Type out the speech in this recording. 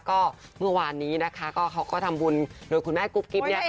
ก็เมื่อวานนี้นะคะก็เขาก็ทำบุญโดยคุณแม่กุ๊บกิ๊บเนี่ย